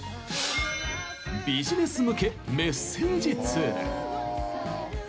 ビジネス向けメッセージツール。